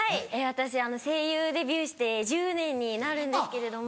私声優デビューして１０年になるんですけれども。